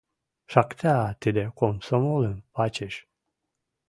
Шакта, тӹдӹ комсомолым пачеш.